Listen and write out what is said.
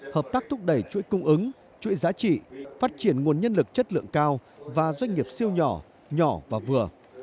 hợp tác thúc đẩy chuỗi cung ứng chuỗi giá trị phát triển nguồn nhân lực chất lượng cao và doanh nghiệp siêu nhỏ nhỏ và vừa